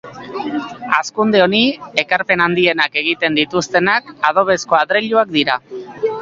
Hazkunde honi ekarpen handienak egiten dituztenak adobezko adreiluak dira.